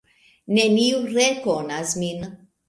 Neniu rekonas min.